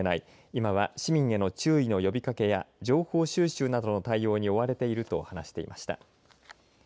今は市民への注意の呼びかけや情報収集などの対応に追われていると話していました。